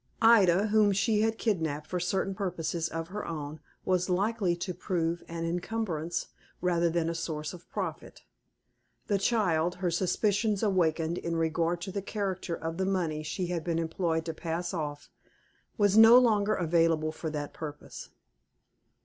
Ida, whom she had kidnapped for certain purposes of her own, was likely to prove an incumbrance rather than a source of profit. The child, her suspicions awakened in regard to the character of the money she had been employed to pass off, was no longer available for that purpose.